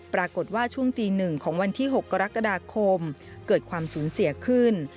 ปรากฏว่าช่วงตี๑ของวันที่๖กรกฎาคมเกิดความสูญเสียขึ้น